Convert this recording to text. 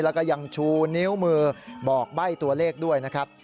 แล้วก็ยังชูนิ้วมือบอกใบ้ตัวเลขด้วยนะครับ